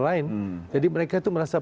lain jadi mereka itu merasa